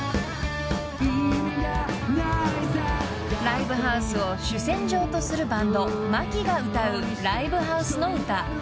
［ライブハウスを主戦場とするバンドＭａｋｉが歌うライブハウスの歌『憧憬へ』］